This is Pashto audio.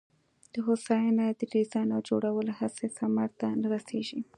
د هوساینه د ډیزاین او جوړولو هڅې ثمر ته نه رسېږي.